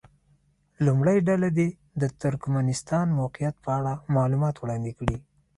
لومړۍ ډله دې د ترکمنستان موقعیت په اړه معلومات وړاندې کړي.